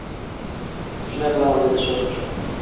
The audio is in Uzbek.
Shunday qilaman, dedi shosha-pisha